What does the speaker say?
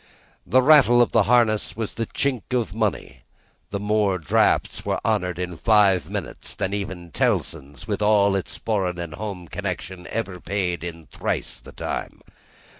The rattle of the harness was the chink of money, and more drafts were honoured in five minutes than even Tellson's, with all its foreign and home connection, ever paid in thrice the time.